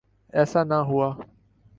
ایسا نہ ہوا۔